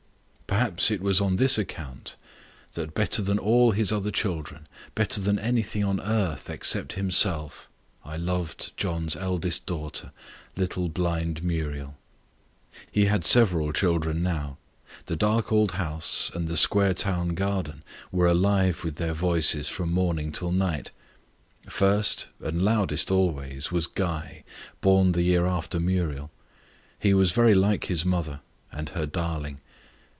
Perhaps it was on this account that better than all his other children, better than anything on earth except himself, I loved John's eldest daughter, little blind Muriel. He had several children now. The dark old house, and the square town garden, were alive with their voices from morning till night. First, and loudest always, was Guy born the year after Muriel. He was very like his mother, and her darling.